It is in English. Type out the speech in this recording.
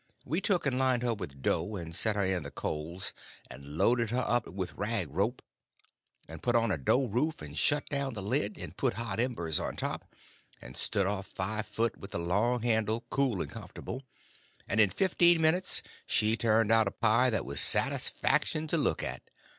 We took and lined her with dough, and set her in the coals, and loaded her up with rag rope, and put on a dough roof, and shut down the lid, and put hot embers on top, and stood off five foot, with the long handle, cool and comfortable, and in fifteen minutes she turned out a pie that was a satisfaction to look at.